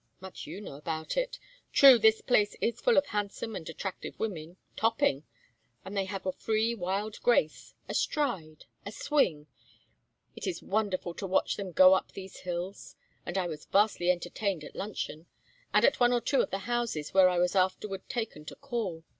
"Much you know about it. True, this place is full of handsome and attractive women topping! And they have a free wild grace, a stride, a swing it is wonderful to watch them go up these hills. And I was vastly entertained at luncheon, and at one or two of the houses where I was afterward taken to call.